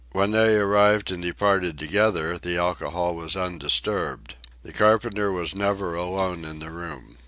When they arrived and departed together, the alcohol was undisturbed. The carpenter was never alone in the room.